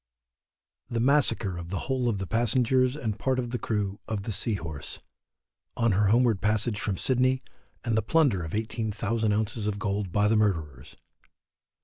THE MASSACRE OF THE WHOLE OF THE PASSENGERS AND PART OF THE CREW OF THE SEA HORSE, On her Homeward Passage from Sydney, and the Plunder of 18,000 ounces of Gold by the Murderers.